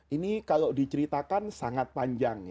ini kalau diceritakan sangat panjang